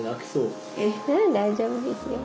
大丈夫ですよ。